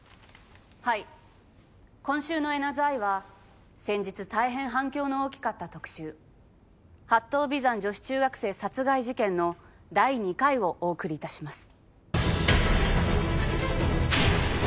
はい今週のエナズアイは先日たいへん反響の大きかった特集八頭尾山女子中学生殺害事件の第２回をお送りいたします。